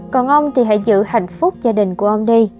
còn ông thì hãy giữ hạnh phúc gia đình của ông đây